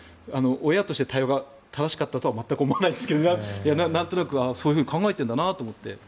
親としての対応はよかったとは全く思わないですけどなんとなくそう考えているんだなと思って。